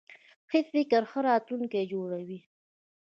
ښه فکر ښه راتلونکی جوړوي.